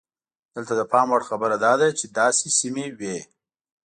دلته د پام وړ خبره دا ده چې داسې سیمې وې.